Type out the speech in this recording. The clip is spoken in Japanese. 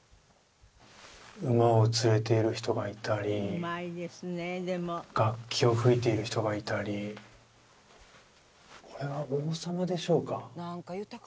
馬を連れている人がいたり楽器を吹いている人がいたりこれは王様でしょうか？